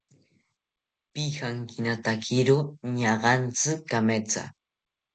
Pijankinatakiro ñaagantzi kametha